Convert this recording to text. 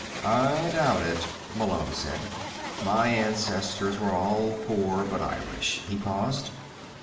"I doubt it," Malone said. "My ancestors were all poor but Irish." He paused.